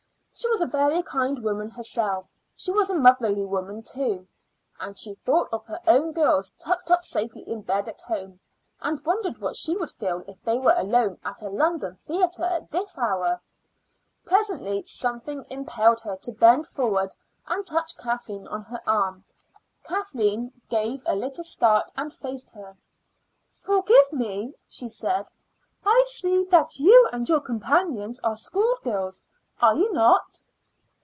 She was a very kind woman herself; she was a motherly woman, too, and she thought of her own girls tucked up safely in bed at home, and wondered what she would feel if they were alone at a London theater at this hour. Presently something impelled her to bend forward and touch Kathleen on her arm. Kathleen gave a little start and faced her. "Forgive me," she said; "I see that you and your companions are schoolgirls, are you not?"